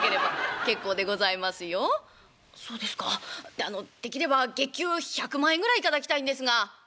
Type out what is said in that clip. であのできれば月給１００万円ぐらい頂きたいんですが」。